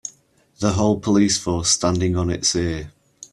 The whole police force standing on it's ear.